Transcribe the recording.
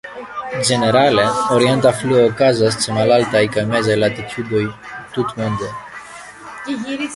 Ĝenerale, orienta fluo okazas ĉe malaltaj kaj mezaj latitudoj tutmonde.